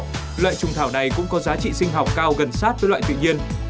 sau đó loại trùng thảo này cũng có giá trị sinh học cao gần sát với loại tự nhiên